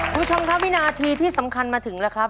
คุณผู้ชมครับวินาทีที่สำคัญมาถึงแล้วครับ